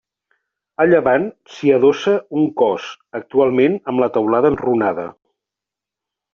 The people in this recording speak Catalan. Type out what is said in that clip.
A llevant s'hi adossa un cos, actualment amb la teulada enrunada.